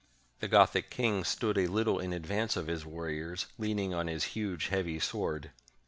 535 ROME The Gothic King stood a little in advance of his war riors, leaning on his huge, heavy sword.